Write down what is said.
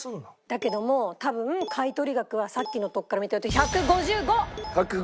だけども多分買取額はさっきのとこから見てると１５５！